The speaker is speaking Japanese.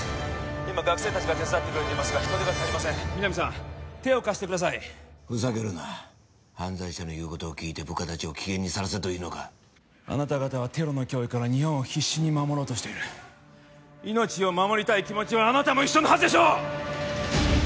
今学生達が手伝ってくれていますが人手が足りません南さん手を貸してくださいふざけるな犯罪者の言うことを聞いて部下達を危険にさらせというのかあなた方はテロの脅威から日本を必死に守ろうとしている命を守りたい気持ちはあなたも一緒のはずでしょう！